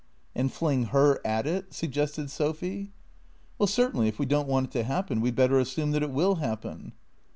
" And fling her at it? " suggested Sophy. " Well, certainly, if we don't want it to happen, we 'd better assume that it will happen."